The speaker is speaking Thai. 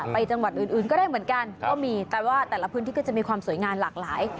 จังหวัดอื่นก็ได้เหมือนกันก็มีแต่ว่าแต่ละพื้นที่ก็จะมีความสวยงามหลากหลาย